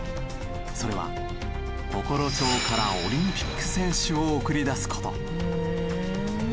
それは常呂町からオリンピック選手を送り出す事。